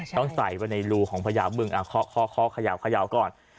ต้องใส่ไว้ในรูของพญาบึ้งขอขยาวขยาวก่อน